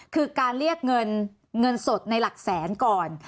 คือการเรียกเงินเงินสดในหลักแสนก่อน